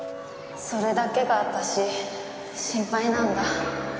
それだけが私心配なんだ。